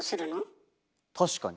確かに。